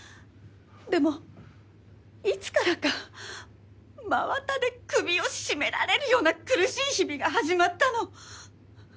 でもいつからか真綿で首を絞められるような苦しい日々が始まったの。